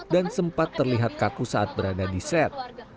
dan sempat terlihat kaku saat berada di set